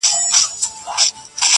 ولي هره ورځ اخته یو په غمونو-